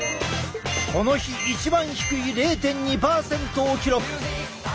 この日一番低い０．２％を記録。